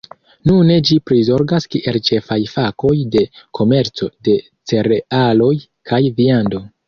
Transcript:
Nune ĝi prizorgas kiel ĉefaj fakoj la komerco de cerealoj kaj viando.